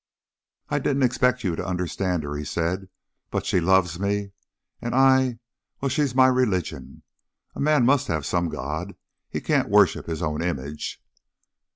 "I didn't expect you to understand her," he said. "But she loves me. And I well, she is my religion. A man must have some God; he can't worship his own image."